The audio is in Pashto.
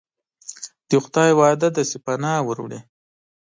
د خدای وعده ده چې پناه وروړي.